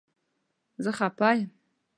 زه خپه یم